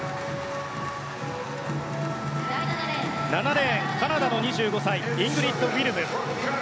７レーン、カナダの２５歳イングリッド・ウィルム。